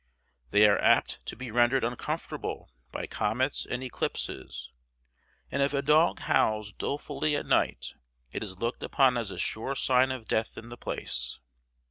They are apt to be rendered uncomfortable by comets and eclipses, and if a dog howls dolefully at night it is looked upon as a sure sign of death in the place.